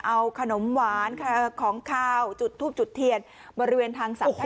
เอาขนมหวานของขาวจุดทูบจุดเทียนบริเวณทางสาธารณ